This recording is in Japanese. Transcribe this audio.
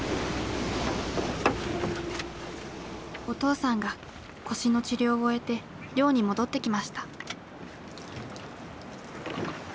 お父さんが腰の治療を終えて漁に戻ってきました。